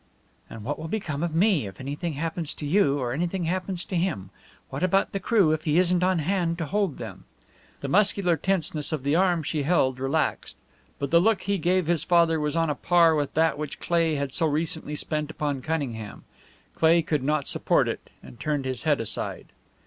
"And what will become of me if anything happens to you, or anything happens to him? What about the crew if he isn't on hand to hold them?" The muscular tenseness of the arm she held relaxed. But the look he gave his father was on a par with that which Cleigh had so recently spent upon Cunningham. Cleigh could not support it, and turned his head aside.